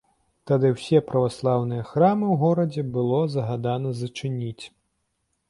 Тады ўсе праваслаўныя храмы ў горадзе было загадана зачыніць.